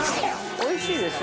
◆おいしいですよ。